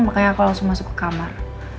makanya aku langsung masuk ke kamar